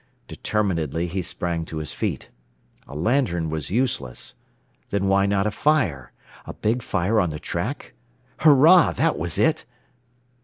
Determinedly he sprang to his feet. A lantern was useless. Then why not a fire? A big fire on the track? Hurrah! That was it!